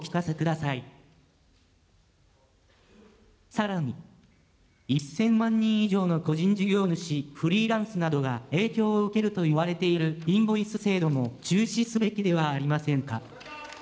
さらに、１０００万人以上の個人事業主、フリーランスなどが影響を受けるといわれているインボイス制度も中止すべきではありませんか。